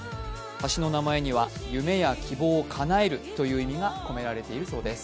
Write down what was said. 橋の名前には夢や希望をかなえるという意味が込められているそうです。